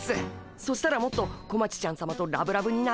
そしたらもっと小町ちゃんさまとラブラブになれるっす。